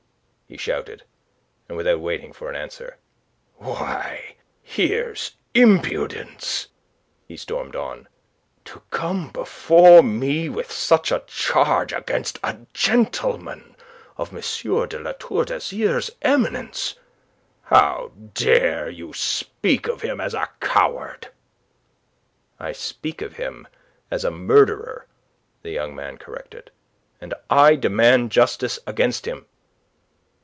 he shouted, and without waiting for an answer, "Why, here's impudence," he stormed on, "to come before me with such a charge against a gentleman of M. de La Tour d'Azyr's eminence! How dare you speak of him as a coward...." "I speak of him as a murderer," the young man corrected. "And I demand justice against him."